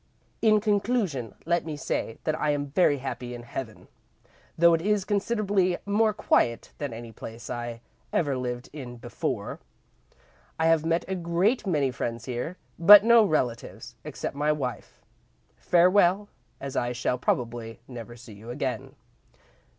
"In conclusion, let me say that I am very happy in heaven, though it is considerably more quiet than any place I ever lived in before. I have met a great many friends here, but no relatives except my wife. Farewell, as I shall probably never see you again.